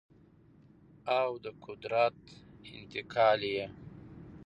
او د قدرت انتقال یې